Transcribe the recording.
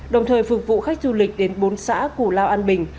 đồng thời phục vụ khách du lịch đến bốn xã củ lao an bình